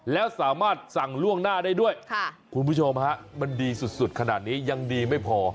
แล้วสามารถสั่งล่วงหน้าได้ด้วยคุณผู้ชมฮะมันดีสุดขนาดนี้ยังดีไม่พอ